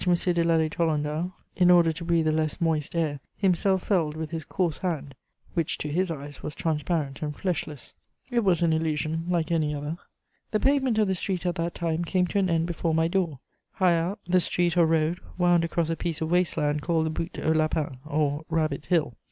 de Lally Tolendal, in order to breathe a less moist air, himself felled with his coarse hand, which to his eyes was transparent and fleshless: it was an illusion like any other. The pavement of the street at that time came to an end before my door; higher up, the street or road wound across a piece of waste land called the Butte aux Lapins, or Rabbit Hill.